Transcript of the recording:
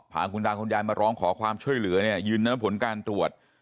พาคุณตาคุณยายมาร้องขอความช่วยเหลือเนี่ยยืนน้ำผลการตรวจ